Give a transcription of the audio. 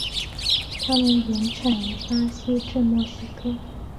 它们原产于巴西至墨西哥。